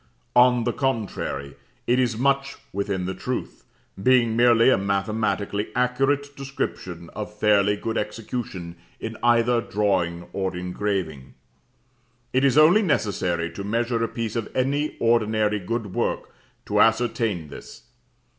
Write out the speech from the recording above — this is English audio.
On the contrary, it is much within the truth, being merely a mathematically accurate description of fairly good execution in either drawing or engraving. It is only necessary to measure a piece of any ordinary good work to ascertain this.